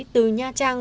từ nha trang